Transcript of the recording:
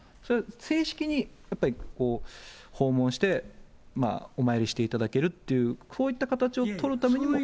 正式にやっぱり訪問して、お参りしていただけるという、そういった形を取るためにも。